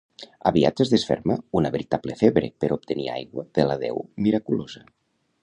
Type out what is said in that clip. Aviat es desferma una veritable febre per obtenir aigua de la deu miraculosa.